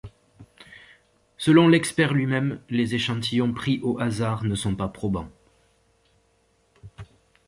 Selon l'expert lui-même, les échantillons pris au hasard ne sont pas probants.